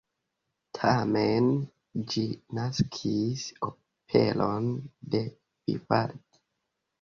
Tamen ĝi naskis operon de Vivaldi.